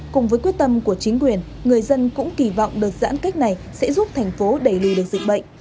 cùng với quyết tâm của chính quyền người dân cũng kỳ vọng đợt giãn cách này sẽ giúp thành phố đẩy lùi được dịch bệnh